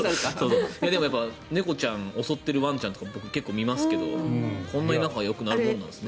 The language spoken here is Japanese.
猫ちゃんを襲っているワンちゃんとか僕結構見ますけどこんなに仲よくなるものなんですね。